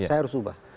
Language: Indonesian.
saya harus ubah